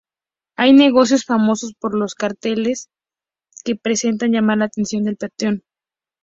Hay negocios famosos por los carteles que pretenden llamar la atención del peatón.